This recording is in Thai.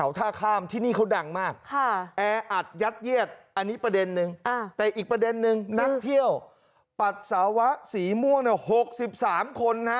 จากที่แอร์อัดกันอยู่เนี่ยประมาณ๒๐๐คน